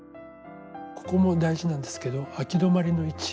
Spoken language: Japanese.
ここも大事なんですけどあき止まりの位置。